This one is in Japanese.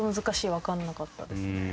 わからなかったですね。